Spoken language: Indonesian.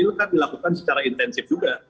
itu kan dilakukan secara intensif juga